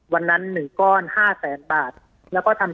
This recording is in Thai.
ปากกับภาคภูมิ